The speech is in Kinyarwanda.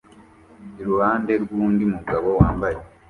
iruhande rwundi mugabo wambaye